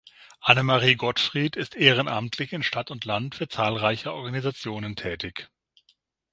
Annemarie Gottfried ist ehrenamtlich in Stadt und Land für zahlreiche Organisationen tätig.